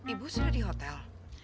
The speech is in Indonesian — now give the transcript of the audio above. ibu sudah di hotel